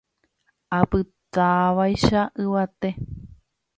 apytávaicha yvate